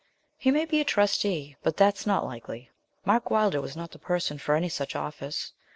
He may be a trustee, but that's not likely; Mark Wylder was not the person for any such office.